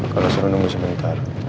kalau seru nunggu sebentar